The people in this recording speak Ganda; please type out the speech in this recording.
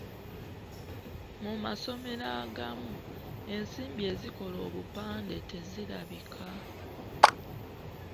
Mu masomero agamu, ensimbi ezikola obupande tezirabika.